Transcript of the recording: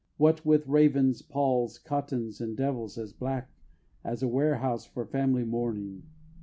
What with ravens, palls, cottons, and devils, as black As a Warehouse for Family Mourning!